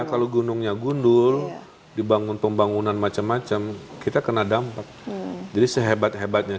kalau gunungnya gundul dibangun pembangunan macam macam kita kena dampak jadi sehebat hebatnya